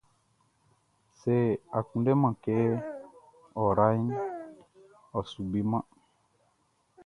Sɛ a kunndɛman kɛ ɔ raʼn, ɔ su beman.